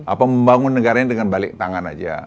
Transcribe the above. apa membangun negaranya dengan balik tangan aja